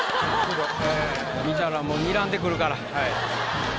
見たらもうにらんでくるから。